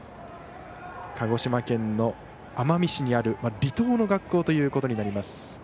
鹿児島県の奄美市にある離島の学校ということになります。